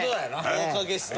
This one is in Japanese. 豪華ゲスト？